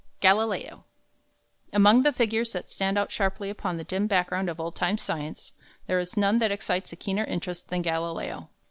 GALILEO Among the figures that stand out sharply upon the dim background of old time science, there is none that excites a keener interest than Galileo.